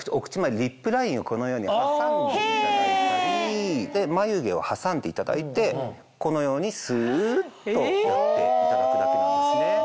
リップラインをこのように挟んでいただいたり眉毛を挟んでいただいてこのようにスっとやっていただくだけなんですね。